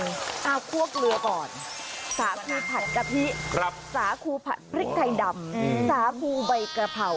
เอาคั่วเกลือก่อนสาคูผัดกะทิสาคูผัดพริกไทยดำสาคูใบกระเพรา